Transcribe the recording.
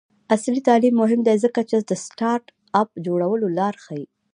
عصري تعلیم مهم دی ځکه چې د سټارټ اپ جوړولو لارې ښيي.